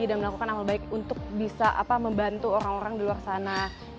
dan melakukan amal baik untuk bisa membantu orang orang di luar sana